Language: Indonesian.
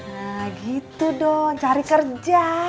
ah gitu dong cari kerja